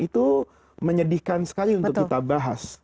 itu menyedihkan sekali untuk kita bahas